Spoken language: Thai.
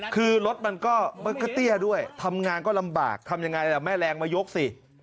คือรถมันก็เตี้ยด้วยทำงานก็ลำบากทำยังไงล่ะแม่แรงมายกสิ